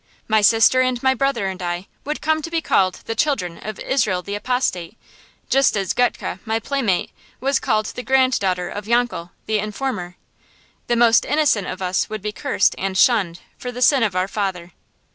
My sister and my brother and I would come to be called the children of Israel the Apostate, just as Gutke, my playmate, was called the granddaughter of Yankel the Informer. The most innocent of us would be cursed and shunned for the sin of our father.